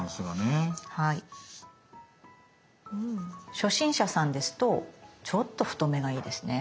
初心者さんですとちょっと太めがいいですね。